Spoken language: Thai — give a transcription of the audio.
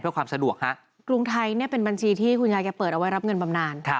เพื่อความสะดวกฮะกรุงไทยเนี่ยเป็นบัญชีที่คุณยายแกเปิดเอาไว้รับเงินบำนาน